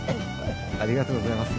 ありがとうございます。